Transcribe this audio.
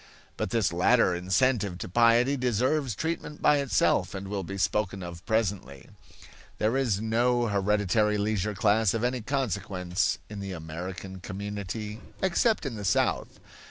But this latter incentive to piety deserves treatment by itself and will be spoken of presently. There is no hereditary leisure class of any consequence in the American community, except in the South.